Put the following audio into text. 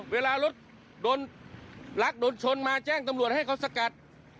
เวลารถโดนลักโดนชนมาแจ้งตำรวจให้เขาสกัด